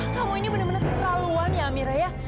kamu ini benar benar keterlaluan ya amira ya